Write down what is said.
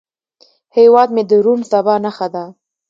هیواد مې د روڼ سبا نښه ده